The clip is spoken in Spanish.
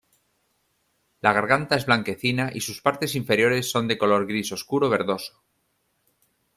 La garganta es blanquecina y sus partes inferiores son de color gris oscuro verdoso.